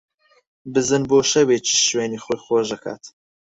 بزن بۆ شەوێکیش شوێنی خۆی خۆش ئەکات